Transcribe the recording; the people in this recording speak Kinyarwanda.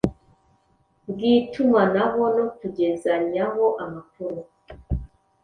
bwitumanaho no kugezanyaho amakuru